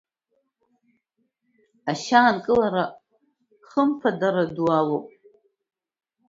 Ашьа аанкылара ахымԥадара ду амоуп.